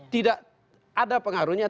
tidak ada pengaruhnya